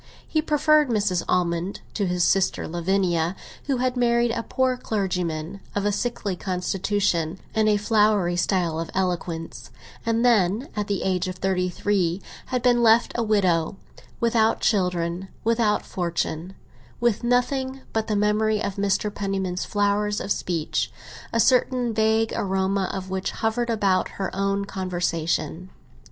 He preferred Mrs. Almond to his sister Lavinia, who had married a poor clergyman, of a sickly constitution and a flowery style of eloquence, and then, at the age of thirty three, had been left a widow, without children, without fortune—with nothing but the memory of Mr. Penniman's flowers of speech, a certain vague aroma of which hovered about her own conversation.